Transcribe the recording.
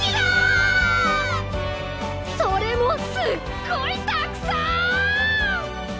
それもすっごいたくさん！